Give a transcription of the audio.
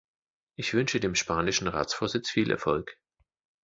Ich wünsche dem spanischen Ratsvorsitz viel Erfolg.